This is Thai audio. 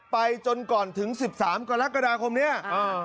จนก่อนถึงสิบสามกรกฎาคมเนี้ยอ่า